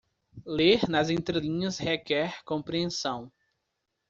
Ler nas entrelinhas requer compreensão.